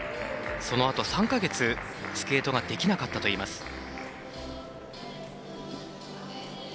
そのあと３か月、スケートができなかったといいます。